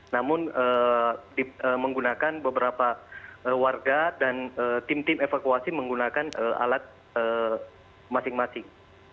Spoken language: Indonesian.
namun menggunakan beberapa warga dan tim tim evakuasi menggunakan alat masing masing